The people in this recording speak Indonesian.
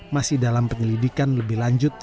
masih dalam penyelidikan lebih lanjut